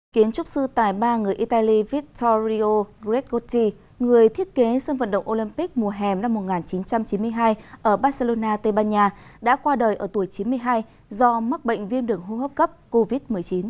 kiến trúc sư tài ba người italy vittorio gregotti người thiết kế sân vận động olympic mùa hèm năm một nghìn chín trăm chín mươi hai ở barcelona tây ban nha đã qua đời ở tuổi chín mươi hai do mắc bệnh viêm đường hô hấp cấp covid một mươi chín